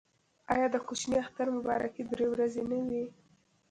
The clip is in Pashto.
آیا د کوچني اختر مبارکي درې ورځې نه وي؟